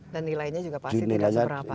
dan nilainya juga pasti tidak super rapat